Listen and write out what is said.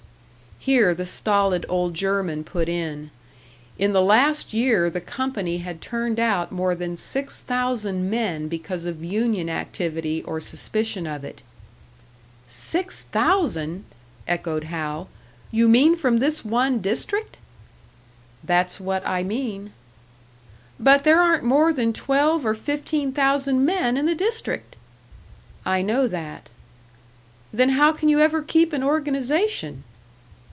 Here the stolid old German put in. In the last year the company had turned out more than six thousand men because of union activity or suspicion of it. "Six thousand!" echoed Hal. "You mean from this one district?" "That's what I mean." "But there aren't more than twelve or fifteen thousand men in the district!" "I know that." "Then how can you ever keep an organisation?"